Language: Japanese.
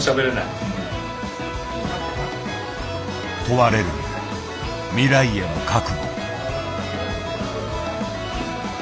問われる未来への覚悟。